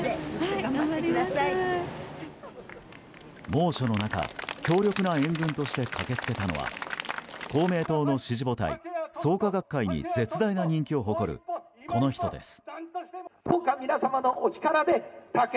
猛暑の中、強力な援軍として駆け付けたのは公明党の支持母体・創価学会に絶大な人気を誇るこの人です。